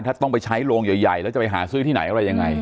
ถ้าต้องไปใช้โรงใหญ่แล้วจะไปหาซื้อที่ไหนอะไรยังไง